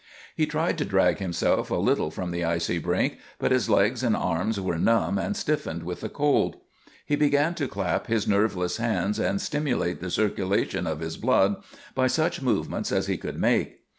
He tried to drag himself a little from the icy brink; but his legs and arms were numb and stiffened with the cold. He began to clap his nerveless hands and stimulate the circulation of his blood by such movements as he could make.